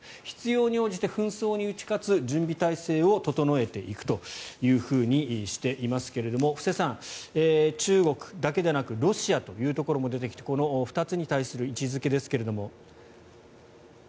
必要に応じて紛争に打ち勝つ準備態勢を整えていくというふうにしていますが布施さん、中国だけでなくロシアというところも出てきてこの２つに対する位置付けですが。